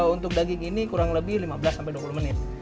untuk daging ini kurang lebih lima belas sampai dua puluh menit